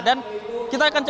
dan kita akan coba